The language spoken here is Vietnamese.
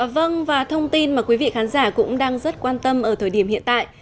vâng và thông tin mà quý vị khán giả cũng đang rất quan tâm ở thời điểm hiện tại